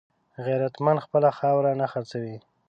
غیرتمند خپله خاوره نه خرڅوي